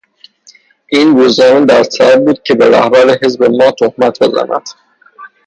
این روزنامه در صدد بود که به رهبر حزب ما تهمت بزند.